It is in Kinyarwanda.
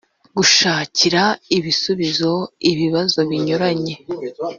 gushakira ibisubizo ibibazo binyuranye